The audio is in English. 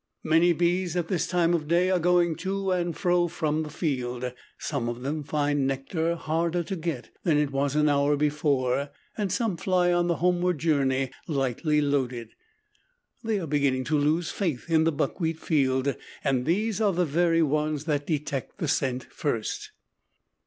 Many bees, at this time of day, are going to and fro from the field. Some of them find nectar harder to get than it was an hour before and some fly on the homeward journey lightly loaded. They are beginning to lose faith in the buckwheat field and these are the very ones that detect the scent first.